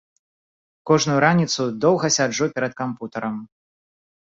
Кожную раніцу доўга сяджу перад кампутарам.